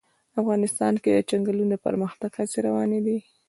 افغانستان کې د چنګلونه د پرمختګ هڅې روانې دي.